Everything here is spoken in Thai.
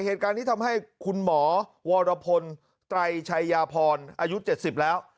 เหตุการณ์นี้ทำให้คุณหมอวรพลไตรชัยยาพรอายุ๗๐แล้ว